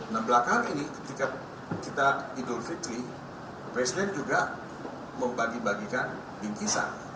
nah belakangan ini ketika kita idul fitri presiden juga membagi bagikan bingkisan